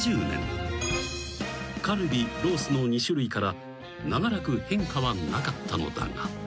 ［カルビロースの２種類から長らく変化はなかったのだが］